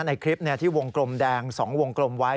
ในคลิปที่วงกลมแดง๒วงกลมไว้